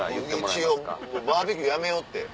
一応バーベキューやめようって。